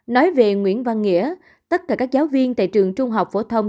nói về nguyễn văn nghĩa tất cả các giáo viên tại trường trung học phổ thông